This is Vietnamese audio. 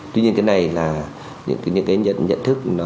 tuy nhiên cái này là những nhận thức